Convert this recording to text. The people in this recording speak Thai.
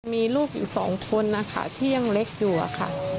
มีลูกอยู่สองคนนะคะที่ยังเล็กอยู่อะค่ะ